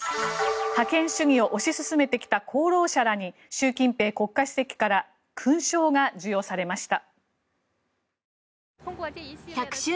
覇権主義を推し進めてきた功労者らに習近平国家主席から勲章が授与されました。